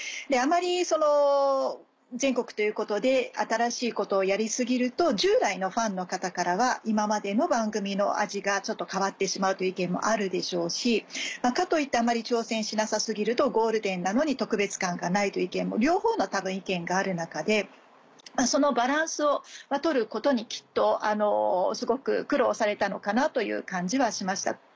あまりその全国ということで新しいことをやり過ぎると従来のファンの方からは今までの番組の味がちょっと変わってしまうという意見もあるでしょうしかといってあまり挑戦しなさ過ぎるとゴールデンなのに特別感がないという意見も両方の多分意見がある中でそのバランスを取ることにきっとすごく苦労されたのかなという感じはしました。